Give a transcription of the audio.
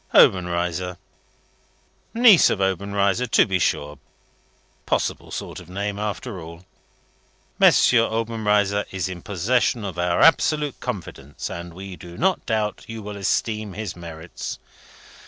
Obenreizer. Niece of Obenreizer. To be sure! Possible sort of name, after all! 'M. Obenreizer is in possession of our absolute confidence, and we do not doubt you will esteem his merits.'